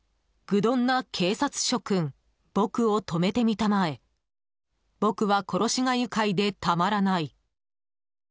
愚鈍な警察諸君ボクを止めてみたまえボクは殺しが愉快でたまらない」。